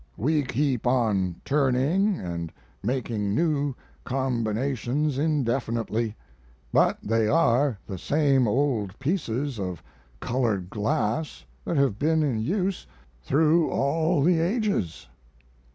We keep on turning and making new combinations indefinitely; but they are the same old pieces of colored glass that have been in use through all the ages."